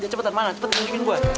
cepetan mana cepetan tunjukin gue